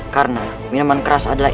karena minuman keras adalah